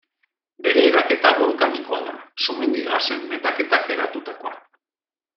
Bere eraketa bolkanikoa da, sumendi gasen metaketak eratutakoa.